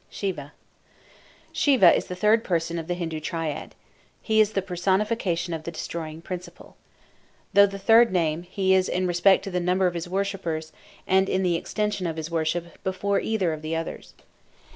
SIVA Siva is the third person of the Hindu triad. He is the personification of the destroying principle. Though the third name, he is, in respect to the number of his worshippers and the extension of his worship, before either of the others.